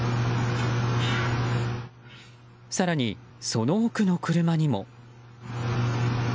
更に、その奥の車にも。